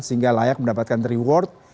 sehingga layak mendapatkan reward